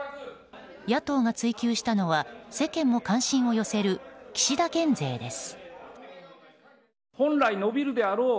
野党が追及したのは世間も関心を寄せる岸田減税です。